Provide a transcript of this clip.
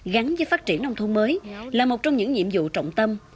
gắn với phát triển nông thôn mới là một trong những nhiệm vụ trọng tâm